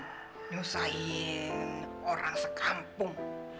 nyusahin orang sekampung